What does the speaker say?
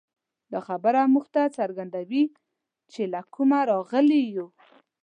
دا خبره موږ ته څرګندوي، چې له کومه راغلي یو.